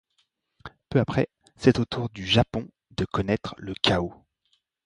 Peu après, c'est au tour du Japon de connaitre le chaos.